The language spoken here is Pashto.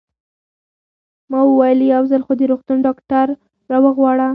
ما وویل: یو ځل خو د روغتون ډاکټر را وغواړه.